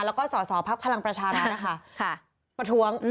แล้วก็สอสอภักดิ์พลังประชารัฐนะคะประท้วง